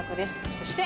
そして。